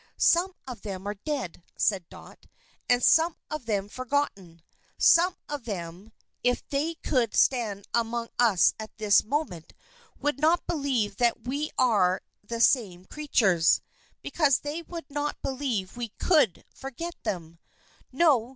"Some of them are dead," said Dot; "and some of them forgotten. Some of them, if they could stand among us at this moment, would not believe that we are the same creatures, because they would not believe we could forget them so. No!